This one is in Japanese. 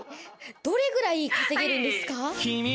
どれぐらい稼げるんですか？